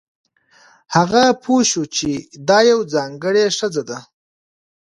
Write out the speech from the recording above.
هغه پوه شو چې دا یوه ځانګړې ښځه ده.